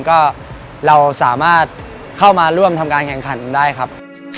ก็เราสามารถเข้ามาร่วมทำการแข่งขันได้ครับ